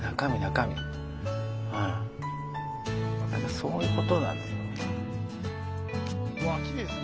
そういうことなのよ。